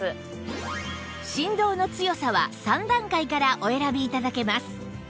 振動の強さは３段階からお選び頂けます